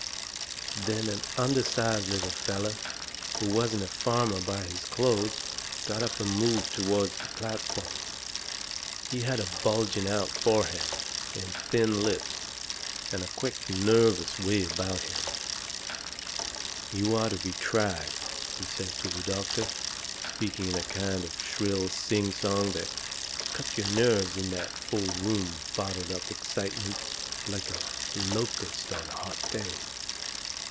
Then an undersized little feller, who wasn't a farmer by his clothes, got up and moved toward the platform. He had a bulging out forehead, and thin lips, and a quick, nervous way about him: "You are to be tried," he says to the doctor, speaking in a kind of shrill sing song that cut your nerves in that room full of bottled up excitement like a locust on a hot day.